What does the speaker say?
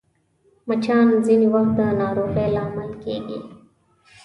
مچان ځینې وخت د ناروغۍ لامل کېږي